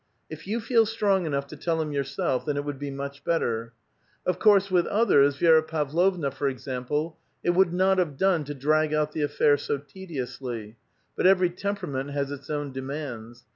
'•If you feel sti'ong enough to tell him yourself, then it would be much better." Of course, with others, Vi^iti Pavlovna for example, it would not have done to drag out the affair so tediously ; but every temperament has its own demands.